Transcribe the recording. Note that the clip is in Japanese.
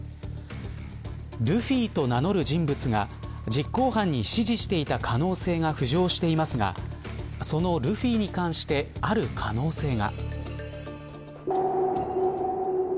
ルフィと名乗る人物が実行犯に指示していた可能性が浮上していますがそのルフィに関してある可能性が。